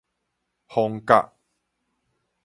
逢甲